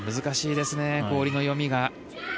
難しいですね氷の読みが。